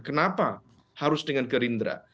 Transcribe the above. kenapa harus dengan gerindra